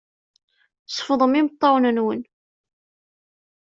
Sefḍem imeṭṭawen-nwen.